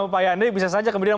pak yandi bisa saja kemudian